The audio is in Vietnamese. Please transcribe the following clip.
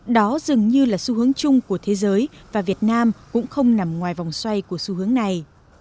đó dường như là xu hướng chung của thế giới và việt nam cũng không nằm ngoài vòng xoay của xu hướng này